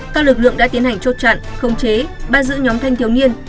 các lực lượng đã tiến hành chốt chặn không chế ban giữ nhóm thanh thiếu niên